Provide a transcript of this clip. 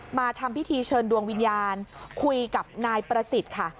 มาทำพิธีเชิญดวงวิญญาณคุยกับนายประสิทธิ์ค่ะ